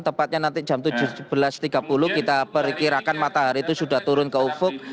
tepatnya nanti jam tujuh belas tiga puluh kita perkirakan matahari itu sudah turun ke ufuk